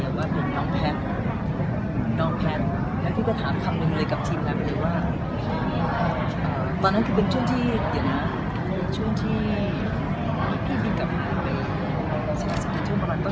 ความรักของแม่มันจริงไม่มีตัวชัยเวลา